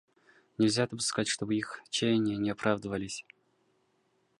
Нельзя допускать, чтобы их чаяния не оправдались.